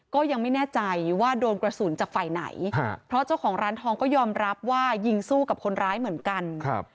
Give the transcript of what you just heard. ก็ยังไม่แน่ใจว่าโดนกระสุนจากฝ่ายไหนเพราะเจ้าของร้านทองก็ยอมรับว่ายิงสู้กับคนร้ายเหมือนกัน